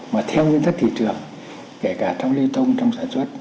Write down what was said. mà theo nguyên thất thị trường kể cả trong lưu thông trong sản xuất